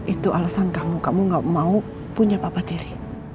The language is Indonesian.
itu alasan kamu kamu gak mau punya papa teri